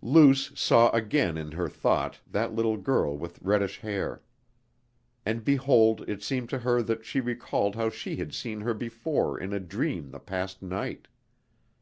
Luce saw again in her thought that little girl with reddish hair. And behold it seemed to her that she recalled how she had seen her before in a dream the past night.